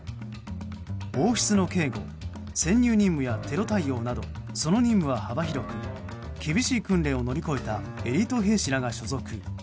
王室の警護、潜入任務やテロ対応など、その任務は幅広く厳しい訓練を乗り越えたエリート兵士らが所属。